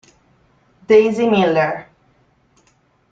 Daisy Miller